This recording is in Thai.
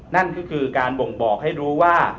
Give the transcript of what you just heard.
นั่นก็คือการบ่งบอกให้รู้ว่า